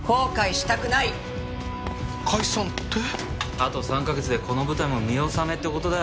あと３カ月でこの舞台も見納めって事だ。